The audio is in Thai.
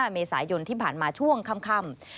เมษายนที่ผ่านมาช่วงค่ำ